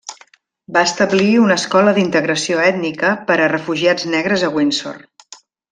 Va establir una escola d'integració ètnica per a refugiats negres a Windsor.